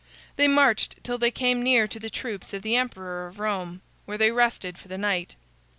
They marched till they came near to the troops of the emperor of Rome, where they rested for the night.